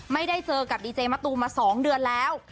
ไม่ได้เจอกับดีเจมะตูมมา๒เดือนแล้ว